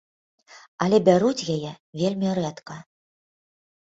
Але бяруць яе вельмі рэдка.